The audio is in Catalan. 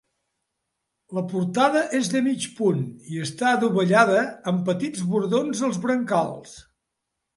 La portada és de mig punt i està adovellada, amb petits bordons als brancals.